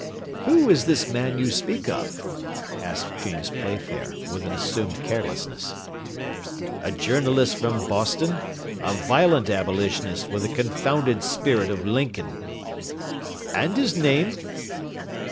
"Who is this man you speak of?" asked James Playfair, with an assumed carelessness. "A journalist from Boston, a violent Abolitionist with the confounded spirit of Lincoln." "And his name?"